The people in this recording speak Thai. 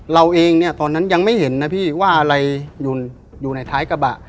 เราเองเนี่ยตอนนั้นยังไม่เห็นนะพี่ว่าอะไรอยู่ในท้ายกระบะ